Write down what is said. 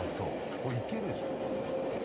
これいけるでしょ。